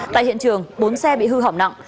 tại hiện trường bốn xe bị hư hỏng nặng